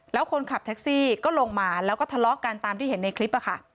แล้วคนขับแท็กซี่ก็ลงมาแล้วก็ทะเลาะกันตามที่เห็นในคลิป